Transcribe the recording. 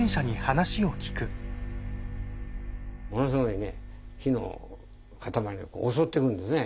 ものすごいね火の塊が襲ってくるんですね。